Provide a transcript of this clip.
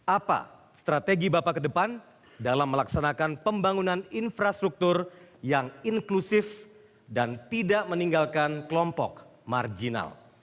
apa strategi bapak ke depan dalam melaksanakan pembangunan infrastruktur yang inklusif dan tidak meninggalkan kelompok marginal